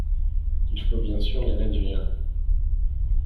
Il faut bien sûr les réduire.